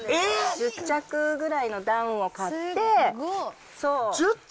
１０着くらいのダウンを買って。